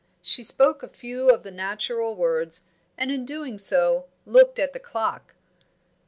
She spoke a few of the natural words, and in doing so looked at the clock.